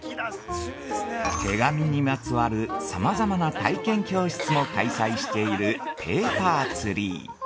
◆手紙にまつわるさまざまな体験教室も開催している「ペーパーツリー」。